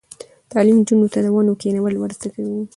تعلیم نجونو ته د ونو کینول ور زده کوي.